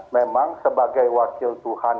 memang sebagai wakil tuhan